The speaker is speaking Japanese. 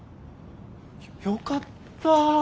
よかった。